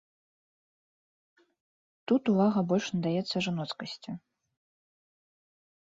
Тут увага больш надаецца жаноцкасці.